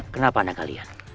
kenapa anak kalian